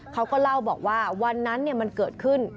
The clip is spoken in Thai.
เขาก็เล่าบอกว่าวันนั้นมันเกิดขึ้น